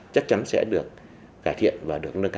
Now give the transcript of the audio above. chắc chắn sẽ được cải thiện và được nâng cao